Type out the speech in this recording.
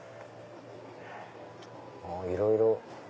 いろいろ。